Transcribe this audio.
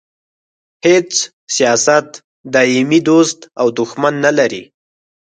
هیڅ سیاست دایمي دوست او دوښمن نه لري.